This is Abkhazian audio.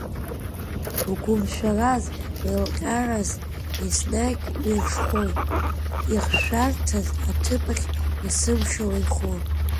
Угәымшәараз, уеилҟьараз, еснагь уирҽхәон, иахьшәарҭаз аҭыԥахь есымша уеихон.